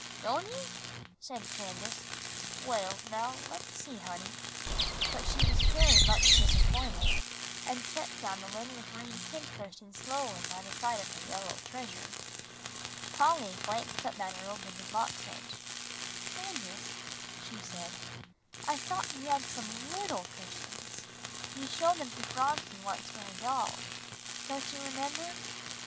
"Don' you?" said Candace. "Well, now let's see, honey," but she was very much disappointed, and set down the little green pincushion slowly by the side of her yellow treasure. Polly glanced up at her over the box edge. "Candace," she said, "I thought you had some little cushions. You showed them to Phronsie once for her dolls, don't you remember?"